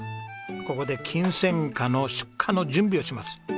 ここでキンセンカの出荷の準備をします。